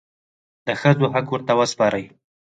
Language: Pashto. د ښځو حق ورته وسپارئ.